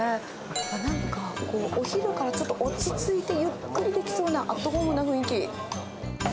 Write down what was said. なんか、お昼からちょっと落ち着いてゆっくりできそうな、アットホームな雰囲気。